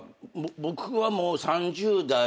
僕はもう３０代。